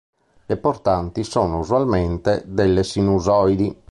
Le portanti sono usualmente delle sinusoidi.